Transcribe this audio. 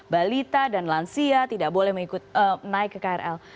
balita dan lansia tidak boleh naik ke krl